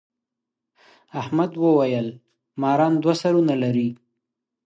احمد وويل: ماران دوه سرونه لري.